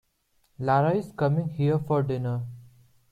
Lara is coming here for dinner.